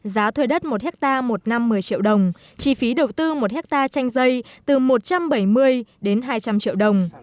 giá thuê đất một hectare một năm một mươi triệu đồng chi phí đầu tư một hectare chanh dây từ một trăm bảy mươi đến hai trăm linh triệu đồng